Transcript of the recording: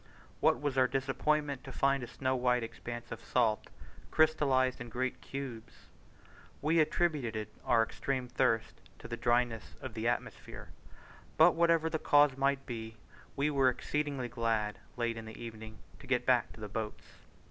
What was our disappointment to find a snow white expanse of salt, crystallized in great cubes! We attributed our extreme thirst to the dryness of the atmosphere; but whatever the cause might be, we were exceedingly glad late in the evening to get back to the boats.